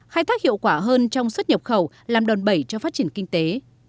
khai thác hiệu quả hơn trong xuất nhập khẩu làm đòn bẩy cho phát triển kinh tế